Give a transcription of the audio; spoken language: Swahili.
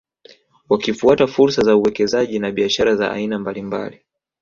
Wakifuata fursa za uwekezaji na biashara za aina mbalimbali